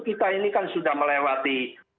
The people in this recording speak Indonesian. kita ini kan sudah melewati